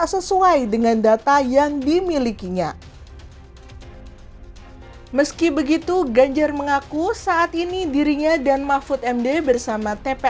sekitan yang segera suara